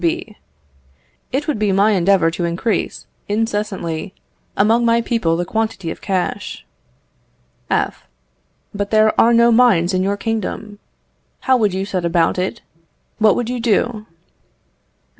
B. It would be my endeavour to increase, incessantly, among my people the quantity of cash. F. But there are no mines in your kingdom. How would you set about it? What would you do?